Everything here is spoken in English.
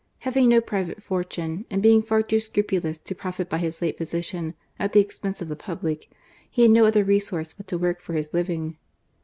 Having no private fortune, and being far too scrupulous to profit by his late position at the expense of the public, he had no other resource but to work for his living.